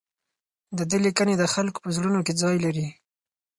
د ده لیکنې د خلکو په زړونو کې ځای لري.